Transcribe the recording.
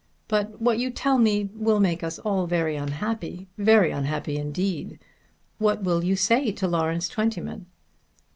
But what you tell me will make us all very unhappy; very unhappy indeed. What will you say to Lawrence Twentyman?"